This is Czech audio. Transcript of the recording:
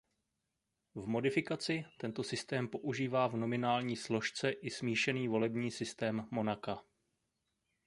V modifikaci tento systém používá v nominální složce i smíšený volební systém Monaka.